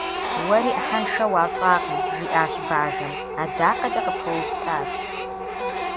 Уэри ӏыхьэншэ уащӏакъым, - жиӏащ бажэм. - Адакъэкӏэ къыпхуэупсащ.